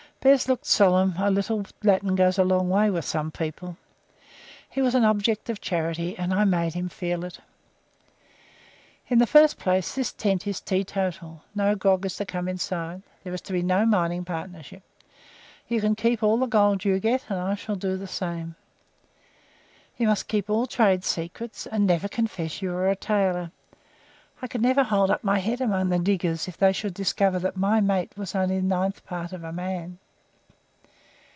'" Bez looked solemn; a little Latin goes a long way with some people. He was an object of charity, and I made him feel it. "In the first place this tent is teetotal. No grog is to come inside it. There is to be no mining partnership. You can keep all the gold you get, and I shall do the same. You must keep all trade secrets, and never confess you are a tailor. I could never hold up my head among the diggers if they should discover that my mate was only the ninth part of a man.